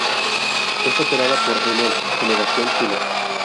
Es operada por Enel Generación Chile.